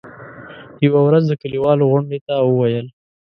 يوه ورځ د کلیوالو غونډې ته وویل.